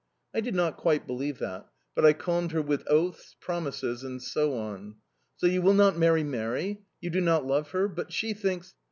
I did not quite believe that, but I calmed her with oaths, promises and so on. "So you will not marry Mary? You do not love her?... But she thinks...